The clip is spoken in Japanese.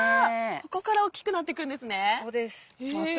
ここから大きくなっていくんですね。